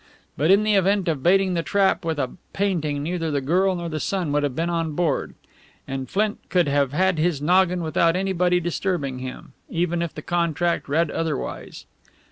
But in the event of baiting the trap with a painting neither the girl nor the son would have been on board. And Flint could have had his noggin without anybody disturbing him, even if the contract read otherwise.